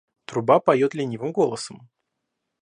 Труба поёт ленивым голосом.